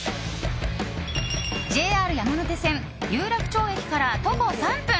ＪＲ山手線有楽町駅から徒歩３分。